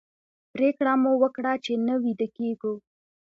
پرېکړه مو وکړه چې نه ویده کېږو.